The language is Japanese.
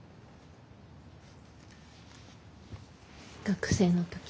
学生の時？